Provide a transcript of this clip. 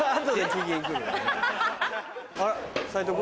あら斉藤君？